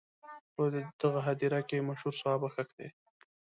په دغه هدیره کې مشهور صحابه ښخ دي.